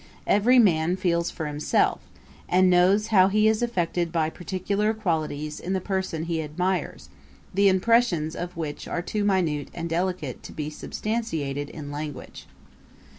Every man feels for himself, and knows how he is affected by particular qualities in the person he admires, the impressions of which are too minute and delicate to be substantiated in language.